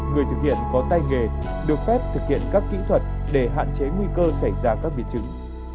người thực hiện có tay nghề được phép thực hiện các kỹ thuật để hạn chế nguy cơ xảy ra các biến chứng